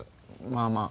まあまあ。